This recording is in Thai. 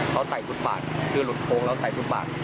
เขาไต่จุดบาดคือหลุดโค้งแล้วไต่จุดบาด